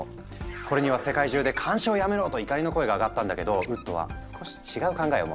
これには世界中で監視をやめろと怒りの声が上がったんだけどウッドは少し違う考えを持っていた。